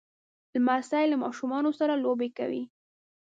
لمسی له ماشومو سره لوبې کوي.